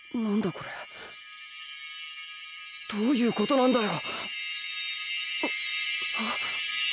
これどういうことなんだよ！？